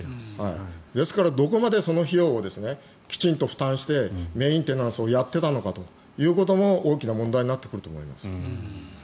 ですから、どこまでその費用を負担してメンテナンスをやっていたのかというところも大きな問題になってくると思います。